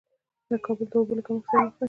کابل د اوبو له کمښت سره مخ دې